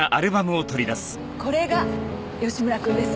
これが吉村くんです。